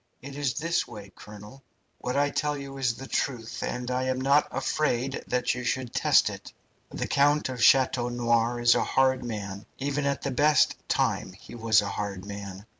It is this way, colonel. What I tell you is the truth, and I am not afraid that you should test it. The Count of Chateau Noir is a hard man, even at the best time he was a hard man.